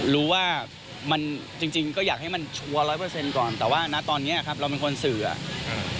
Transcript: รู้ว่ามันจริงจริงก็อยากให้มันชัวร์ร้อยเปอร์เซ็นต์ก่อนแต่ว่านะตอนเนี้ยครับเราเป็นคนสื่ออ่ะ